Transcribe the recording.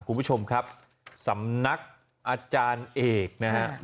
คุณผู้ชมครับสำนักอาจารย์เอกนะฮะ